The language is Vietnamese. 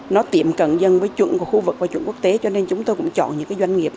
nó tiệm cận dân với chuẩn của khu vực và chuẩn quốc tế cho nên chúng tôi cũng chọn những doanh nghiệp